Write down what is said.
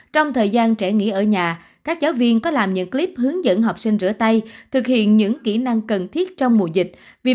trong thời gian trẻ nghỉ ở nhà các giáo viên có làm những clip hướng dẫn học sinh rửa tay thực hiện những kỹ năng cần thiết trong mùa dịch